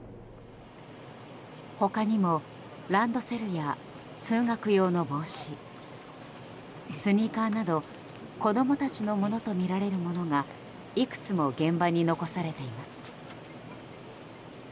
他にも、ランドセルや通学用の帽子スニーカーなど子供たちのものとみられるものがいくつも現場に残されています。